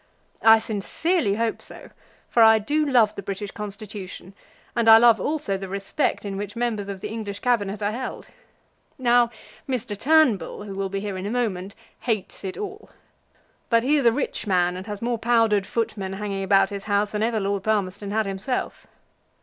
"I sincerely hope so, for I do love the British Constitution; and I love also the respect in which members of the English Cabinet are held. Now Turnbull, who will be here in a moment, hates it all; but he is a rich man, and has more powdered footmen hanging about his house than ever Lord Palmerston had himself."